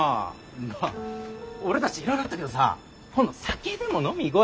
まっ俺たちいろいろあったけどさ今度酒でも飲み行こうや。